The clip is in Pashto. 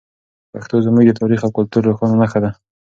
پښتو زموږ د تاریخ او کلتور روښانه نښه ده.